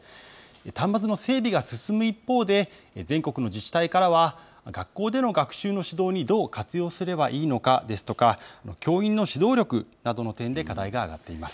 端末の整備が進む一方で、全国の自治体からは、学校での学習の指導にどう活用すればいいのかですとか、教員の指導力などの点で課題が上がっています。